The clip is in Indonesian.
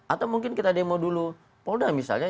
atau mungkin kita demo dulu polda misalnya